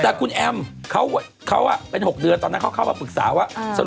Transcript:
แต่คุณแอมเขาเป็น๖เดือนตอนนั้นเขาเข้ามาปรึกษาว่า